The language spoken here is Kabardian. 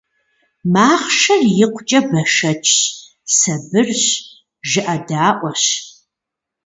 Махъшэр икъукӀэ бэшэчщ, сабырщ, жыӀэдаӀуэщ.